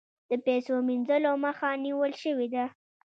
د پیسو مینځلو مخه نیول شوې ده؟